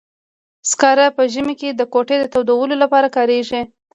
سکاره په ژمي کې د کوټې تودولو لپاره کاریږي.